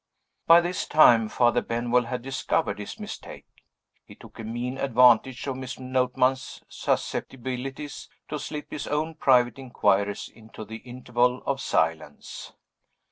By this time Father Benwell had discovered his mistake. He took a mean advantage of Miss Notman's susceptibilities to slip his own private inquiries into the interval of silence.